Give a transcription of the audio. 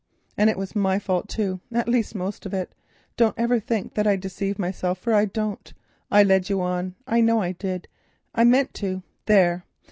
And it was my fault too, at least most of it; don't ever think that I deceive myself, for I don't; I led you on, I know I did, I meant to—there!